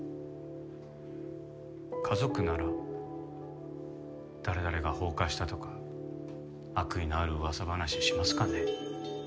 家族なら「誰々が放火した」とか悪意のある噂話しますかね？